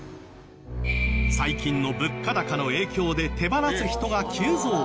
最近の物価高の影響で手放す人が急増。